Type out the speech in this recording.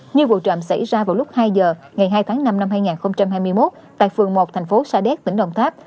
như vụ trộm xảy ra vào lúc hai giờ ngày hai tháng năm năm hai nghìn hai mươi một tại phường một thành phố sa đéc tỉnh đồng tháp